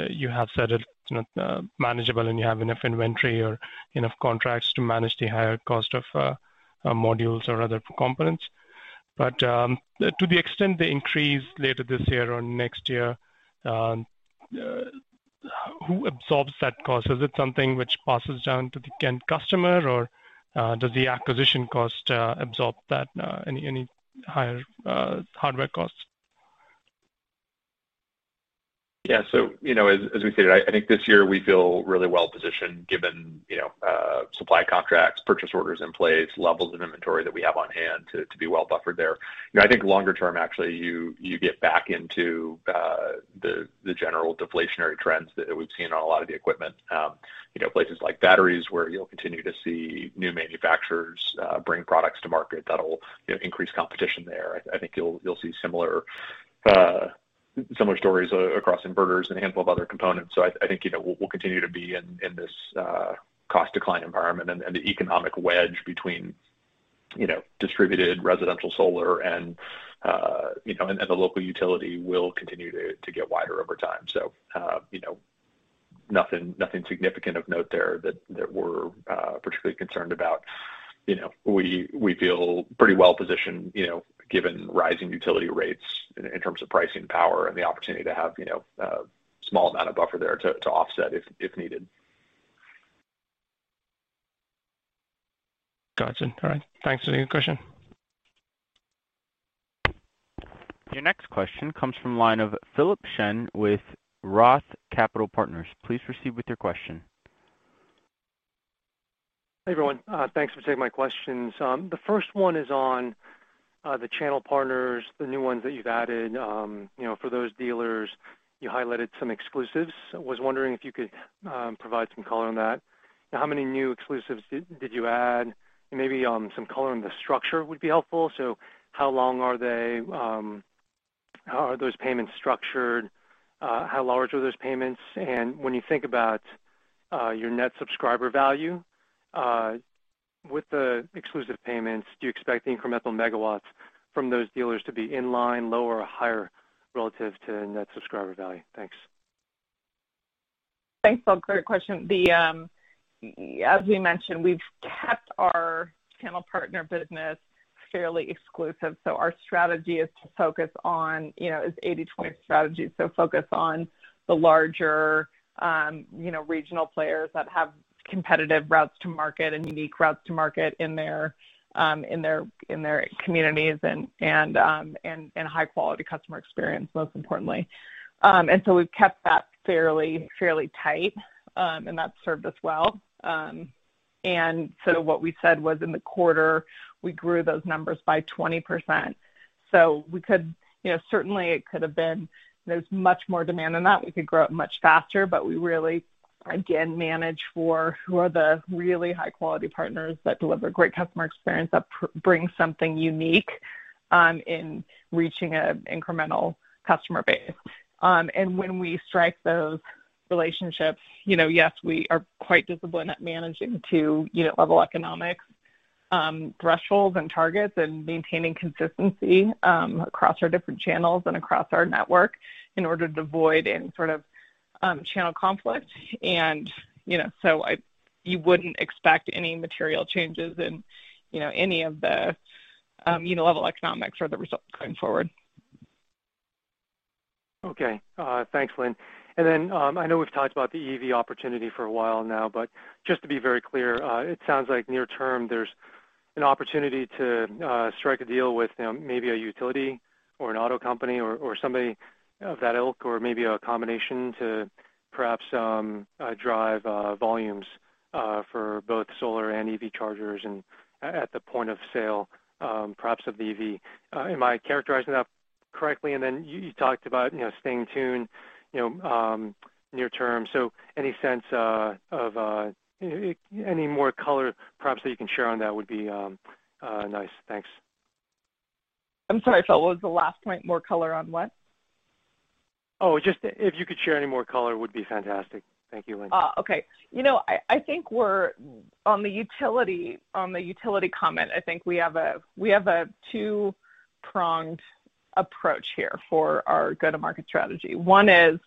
you have said it's manageable, and you have enough inventory or enough contracts to manage the higher cost of modules or other components. To the extent they increase later this year or next year, who absorbs that cost? Is it something which passes down to the end customer, or does the acquisition cost absorb any higher hardware costs? As we stated, I think this year we feel really well positioned given supply contracts, purchase orders in place, levels of inventory that we have on hand to be well buffered there. I think longer term, actually, you get back into the general deflationary trends that we've seen on a lot of the equipment. Places like batteries where you'll continue to see new manufacturers bring products to market that'll increase competition there. I think you'll see similar stories across inverters and a handful of other components. I think we'll continue to be in this cost decline environment and the economic wedge between distributed residential solar and the local utility will continue to get wider over time. Nothing significant of note there that we're particularly concerned about. We feel pretty well-positioned given rising utility rates in terms of pricing power and the opportunity to have a small amount of buffer there to offset if needed. Got you. All right. Thanks. That's a good question. Your next question comes from the line of Philip Shen with Roth Capital Partners. Please proceed with your question. Hey, everyone. Thanks for taking my questions. The first one is on the channel partners, the new ones that you've added. For those dealers, you highlighted some exclusives. I was wondering if you could provide some color on that. How many new exclusives did you add? Maybe some color on the structure would be helpful. How long are they? How are those payments structured? How large are those payments? When you think about your net subscriber value, with the exclusive payments, do you expect the incremental megawatts from those dealers to be in line, lower, or higher relative to net subscriber value? Thanks. Thanks, Phil. Great question. As we mentioned, we've kept our channel partner business fairly exclusive. Our strategy is to focus on, it's 80/20 strategy, focus on the larger regional players that have competitive routes to market and unique routes to market in their communities and high quality customer experience, most importantly. We've kept that fairly tight, that's served us well. What we said was in the quarter, we grew those numbers by 20%. Certainly it could have been there's much more demand than that. We could grow it much faster, we really, again, manage for who are the really high quality partners that deliver great customer experience, that bring something unique in reaching an incremental customer base. When we strike those relationships, yes, we are quite disciplined at managing to unit level economics thresholds and targets and maintaining consistency across our different channels and across our network in order to avoid any sort of channel conflict. You wouldn't expect any material changes in any of the unit level economics or the results going forward. Okay. Thanks, Lynn. I know we've talked about the EV opportunity for a while now, but just to be very clear, it sounds like near term, there's an opportunity to strike a deal with maybe a utility or an auto company or somebody of that ilk or maybe a combination to perhaps drive volumes for both solar and EV chargers and at the point of sale, perhaps of the EV. Am I characterizing that correctly? You talked about staying tuned near term. Any more color perhaps that you can share on that would be nice. Thanks. I'm sorry, Phil. What was the last point? More color on what? Just if you could share any more color would be fantastic. Thank you, Lynn. Okay. On the utility comment, I think we have a two-pronged approach here for our go-to-market strategy. One is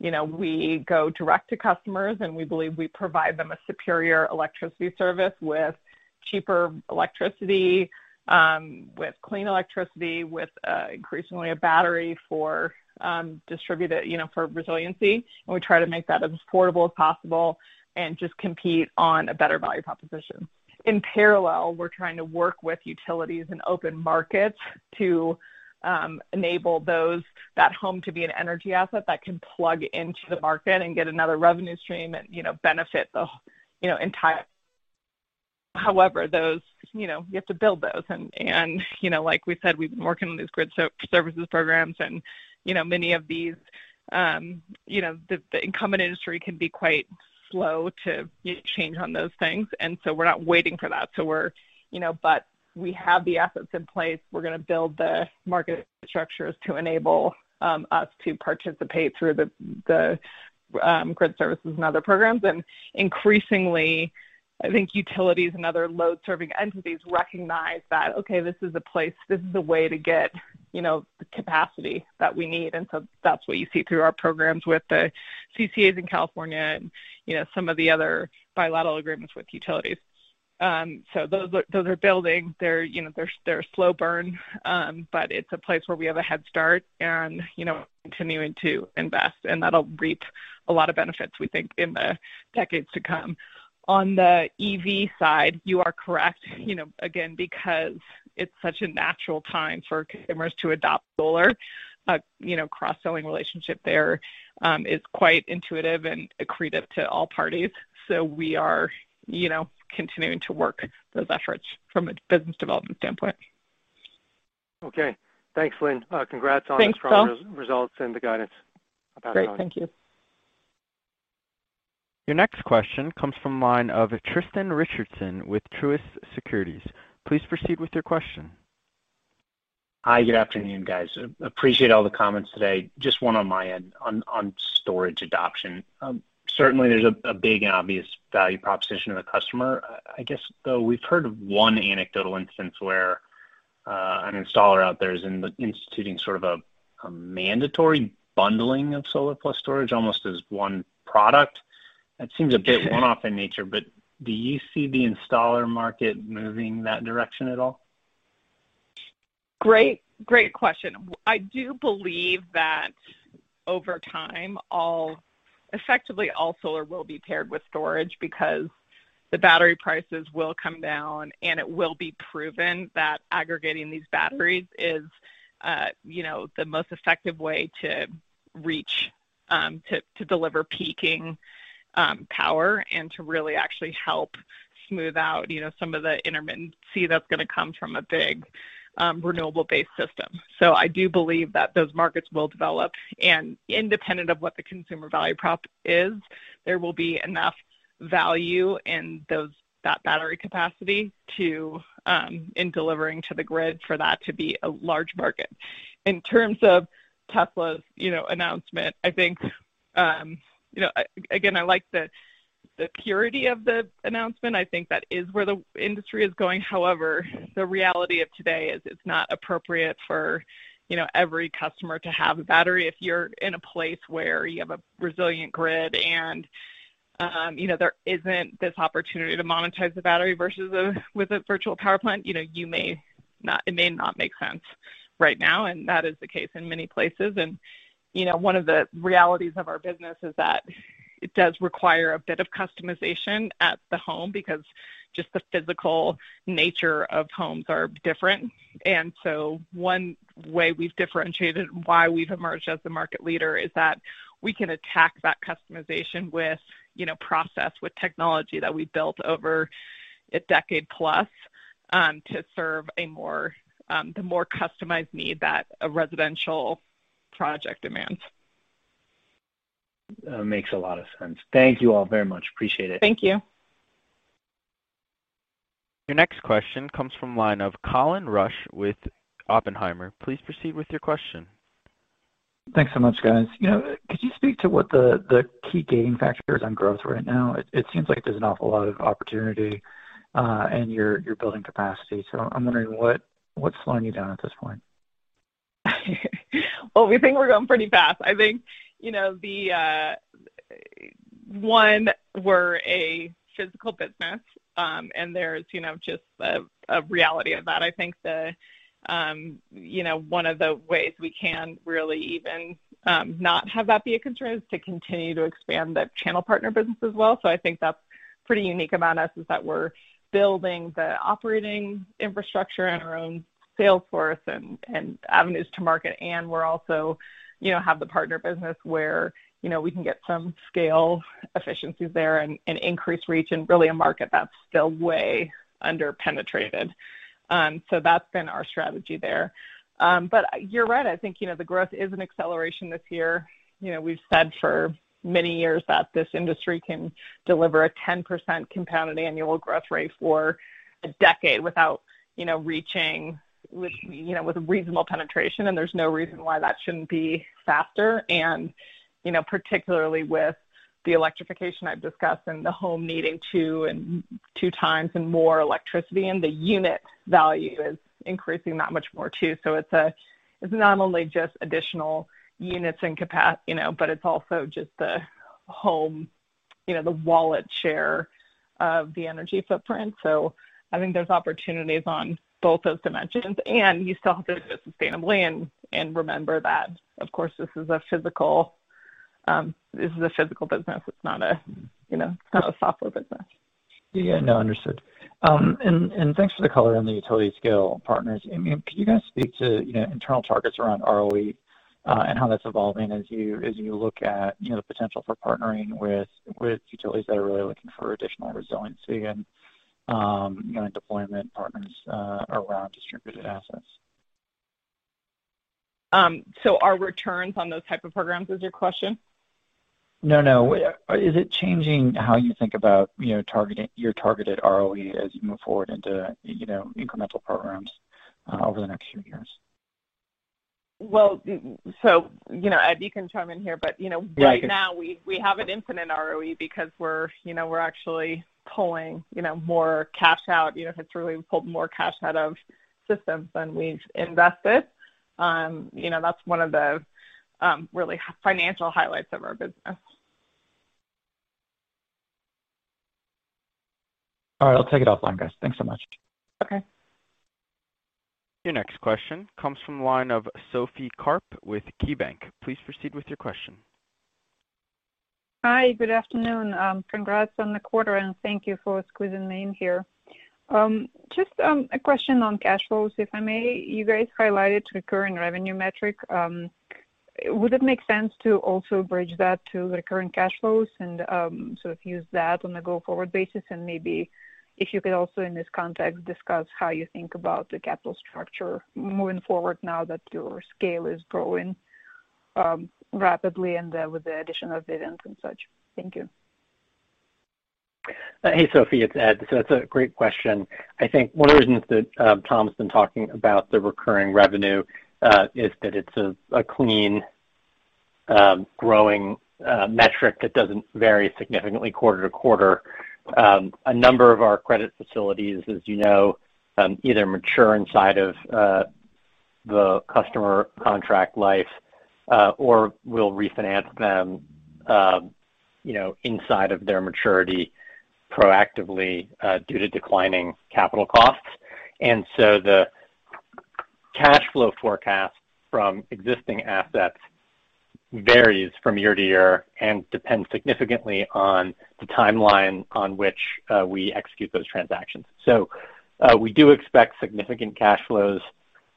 we go direct to customers, and we believe we provide them a superior electricity service with cheaper electricity, with clean electricity, with increasingly a battery for distributed, for resiliency, and we try to make that as affordable as possible and just compete on a better value proposition. In parallel, we're trying to work with utilities and open markets to enable that home to be an energy asset that can plug into the market and get another revenue stream and benefit the entire grid. However, you have to build those, and like we said, we've been working on these grid services programs and many of these, the incumbent industry can be quite slow to change on those things. We're not waiting for that. We have the assets in place. We're going to build the market structures to enable us to participate through the grid services and other programs. Increasingly, I think utilities and other load-serving entities recognize that, okay, this is a place, this is a way to get the capacity that we need. That's what you see through our programs with the CCAs in California and some of the other bilateral agreements with utilities. Those are building. They're slow burn, but it's a place where we have a head start and continuing to invest, and that'll reap a lot of benefits, we think, in the decades to come. On the EV side, you are correct. Again, because it's such a natural time for consumers to adopt solar, a cross-selling relationship there is quite intuitive and accretive to all parties. We are continuing to work those efforts from a business development standpoint. Okay. Thanks, Lynn. Congrats. Thanks, Phil. Those results and the guidance about that. Great. Thank you. Your next question comes from the line of Tristan Richardson with Truist Securities. Please proceed with your question. Hi, good afternoon, guys. Appreciate all the comments today. Just one on my end on storage adoption. Certainly, there's a big and obvious value proposition to the customer. I guess, though, we've heard of one anecdotal instance where an installer out there is instituting sort of a mandatory bundling of solar plus storage almost as one product. Do you see the installer market moving in that direction at all? Great question. I do believe that over time, effectively all solar will be paired with storage because the battery prices will come down, and it will be proven that aggregating these batteries is the most effective way to deliver peaking power and to really actually help smooth out some of the intermittency that's going to come from a big, renewable-based system. I do believe that those markets will develop, and independent of what the consumer value prop is, there will be enough value in that battery capacity in delivering to the grid for that to be a large market. In terms of Tesla's announcement, again, I like the purity of the announcement. I think that is where the industry is going. However, the reality of today is it's not appropriate for every customer to have a battery. If you're in a place where you have a resilient grid and there isn't this opportunity to monetize the battery versus with a virtual power plant, it may not make sense right now, and that is the case in many places. One of the realities of our business is that it does require a bit of customization at the home because just the physical nature of homes are different. One way we've differentiated why we've emerged as the market leader is that we can attack that customization with process, with technology that we've built over a decade plus to serve the more customized need that a residential project demands. Makes a lot of sense. Thank you all very much. Appreciate it. Thank you. Your next question comes from the line of Colin Rusch with Oppenheimer. Please proceed with your question. Thanks so much, guys. Could you speak to what the key gating factor is on growth right now? It seems like there's an awful lot of opportunity and you're building capacity. I'm wondering what's slowing you down at this point? Well, we think we're going pretty fast. I think, one, we're a physical business, and there's just a reality of that. I think one of the ways we can really even not have that be a concern is to continue to expand the channel partner business as well. I think that's pretty unique about us is that we're building the operating infrastructure and our own sales force and avenues to market, and we also have the partner business where we can get some scale efficiencies there and increase reach in, really, a market that's still way under-penetrated. That's been our strategy there. You're right. I think the growth is an acceleration this year. We've said for many years that this industry can deliver a 10% compounded annual growth rate for a decade with reasonable penetration, and there's no reason why that shouldn't be faster. Particularly with the electrification I've discussed and the home needing two times and more electricity, and the unit value is increasing that much more, too. It's not only just additional units and capacity, but it's also just the home, the wallet share of the energy footprint. I think there's opportunities on both those dimensions, and you still have to do it sustainably and remember that, of course, this is a physical business. It's not a software business. Yeah. No, understood. Thanks for the color on the utility scale partners. Could you guys speak to internal targets around ROE and how that's evolving as you look at the potential for partnering with utilities that are really looking for additional resiliency and deployment partners around distributed assets? Our returns on those type of programs, is your question? No. Is it changing how you think about your targeted ROE as you move forward into incremental programs over the next few years? Ed, you can chime in here, but right now we have an infinite ROE because we're actually pulling more cash out. It's really pulled more cash out of systems than we've invested. That's one of the really financial highlights of our business. All right. I'll take it offline, guys. Thanks so much. Okay. Your next question comes from the line of Sophie Karp with KeyBanc. Please proceed with your question. Hi. Good afternoon. Congrats on the quarter. Thank you for squeezing me in here. Just a question on cash flows, if I may. You guys highlighted the recurring revenue metric. Would it make sense to also bridge that to recurring cash flows and sort of use that on a go-forward basis? Maybe if you could also, in this context, discuss how you think about the capital structure moving forward now that your scale is growing rapidly and with the addition of Vivint and such. Thank you. Hey, Sophie, it's Ed. That's a great question. I think one of the reasons that Tom's been talking about the recurring revenue, is that it's a clean, growing metric that doesn't vary significantly quarter-to-quarter. A number of our credit facilities, as you know, either mature inside of the customer contract life, or we'll refinance them inside of their maturity proactively, due to declining capital costs. The cashflow forecast from existing assets varies from year-to-year and depends significantly on the timeline on which we execute those transactions. We do expect significant cash flows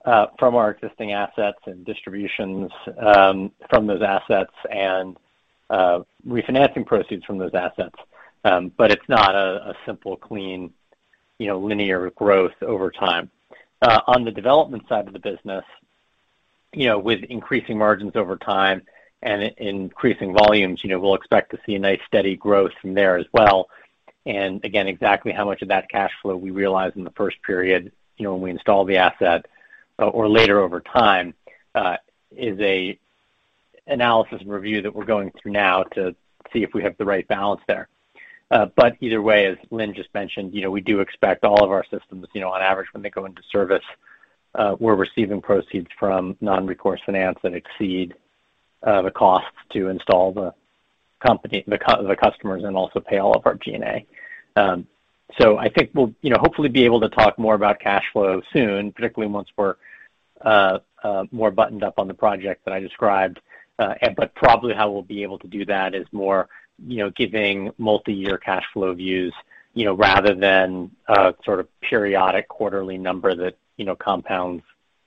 from our existing assets and distributions from those assets and refinancing proceeds from those assets. It's not a simple clean linear growth over time. On the development side of the business, with increasing margins over time and increasing volumes, we'll expect to see a nice steady growth from there as well. Exactly how much of that cash flow we realize in the first period when we install the asset or later over time, is a analysis and review that we're going through now to see if we have the right balance there. Either way, as Lynn just mentioned, we do expect all of our systems, on average, when they go into service, we're receiving proceeds from non-recourse finance that exceed the costs to install the customers and also pay all of our G&A. I think we'll hopefully be able to talk more about cash flow soon, particularly once we're more buttoned up on the project that I described. Probably how we'll be able to do that is more giving multi-year cash flow views, rather than a sort of periodic quarterly number that compounds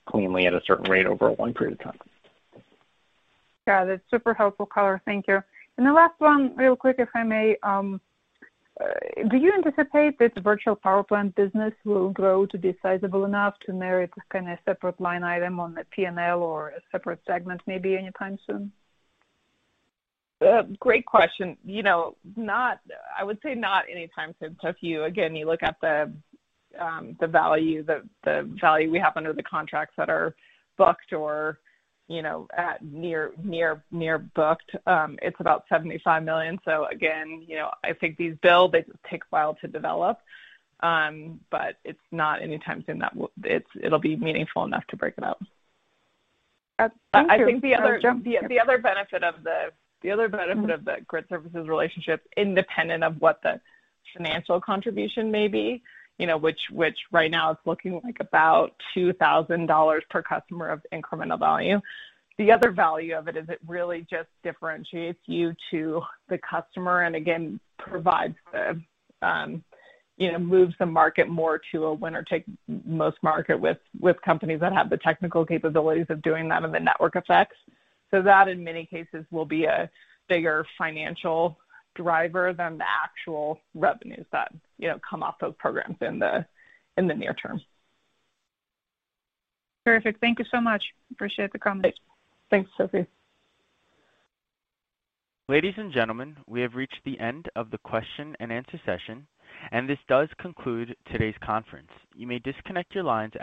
cleanly at a certain rate over one period of time. Yeah, that's super helpful color. Thank you. The last one, real quick, if I may. Do you anticipate this virtual power plant business will grow to be sizable enough to merit a kind of separate line item on the P&L or a separate segment maybe anytime soon? Great question. I would say not anytime soon. If you again look at the value we have under the contracts that are booked or at near booked, it's about $75 million. Again, I think these build, they just take a while to develop. It's not anytime soon that it'll be meaningful enough to break it out. Thank you. I think the other benefit of the grid services relationship, independent of what the financial contribution may be, which right now is looking like about $2,000 per customer of incremental value. The other value of it is it really just differentiates you to the customer and again, moves the market more to a winner-take-most market with companies that have the technical capabilities of doing that and the network effects. That, in many cases, will be a bigger financial driver than the actual revenues that come off those programs in the near term. Terrific. Thank you so much. Appreciate the comment. Thanks, Sophie. Ladies and gentlemen, we have reached the end of the question and answer session. This does conclude today's conference. You may disconnect your lines.